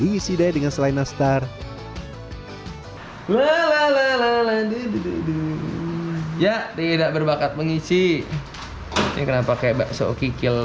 diisi deh dengan selai nastar lalalalala dudududu ya tidak berbakat mengisi ini kenapa kebakso kikil